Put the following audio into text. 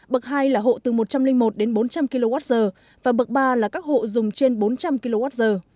bậc hai là hộ từ một trăm linh một đến bốn trăm linh kwh và bậc ba là các hộ dùng trên bốn trăm linh kwh